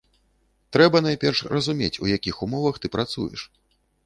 Трэба найперш разумець, у якіх умовах ты працуеш.